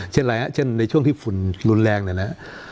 เช่นอะไรนะเช่นในช่วงที่ฝุ่นรุนแรงเนี่ยนะ